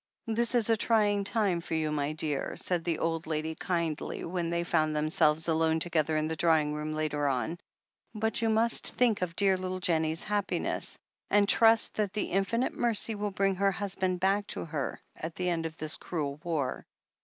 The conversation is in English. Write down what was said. "This is a trying time for you, my dear," said the old lady kindly, when they found themselves alone together in the drawing room later on. "But you must think of dear little Jennie's happiness — ^and trust that the Infinite Mercy will bring her husband back to her at the end of this cruel war."